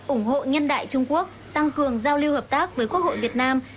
ủng hộ nhân đại trung quốc tăng cường giao lưu hợp tác với quốc hội việt nam